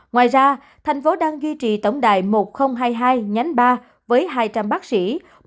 ngoài ra thành phố đang duy trì tổng đài một nghìn hai mươi hai nhánh ba với hai trăm linh bác sĩ